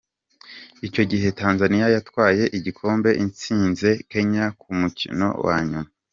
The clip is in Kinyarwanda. Icyo gihe, Tanzania yatwaye igikombe itsinze Kenya ku mukino wa nyuma.